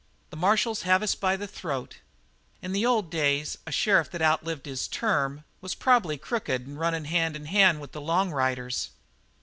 The marshals have us by the throat. In the old days a sheriff that outlived his term was probably crooked and runnin' hand in hand with the long riders."